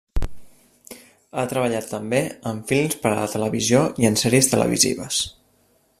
Ha treballat també en films per a la televisió i en sèries televisives.